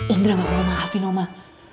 indra gak mau maafin omah